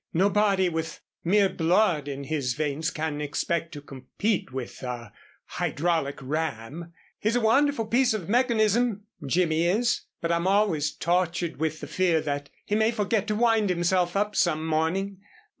"Nobody with mere blood in his veins can expect to compete with a hydraulic ram. He's a wonderful piece of mechanism Jimmy is but I'm always tortured with the fear that he may forget to wind himself up some morning.